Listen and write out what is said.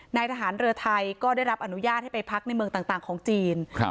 นายทหารเรือไทยก็ได้รับอนุญาตให้ไปพักในเมืองต่างของจีน